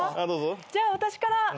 じゃあ私から。